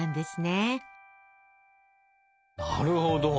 なるほど！